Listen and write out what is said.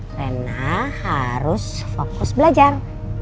karena harus fokus belajar